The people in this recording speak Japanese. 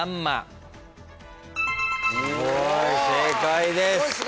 正解です。